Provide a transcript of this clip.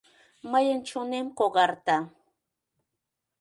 Мыйын чонем когарта...